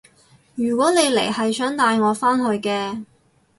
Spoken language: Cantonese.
如果你嚟係想帶我返去嘅